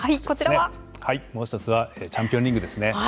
はいもう一つはチャンピオンリングですね。